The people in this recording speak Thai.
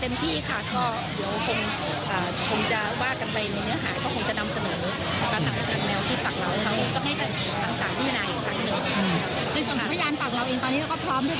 ตอนนี้ราชาสี่สิบสองบวกหนึ่งสี่สิบสามค่ะสี่สิบสองบวกหนึ่งสี่สิบสองบวกหนึ่ง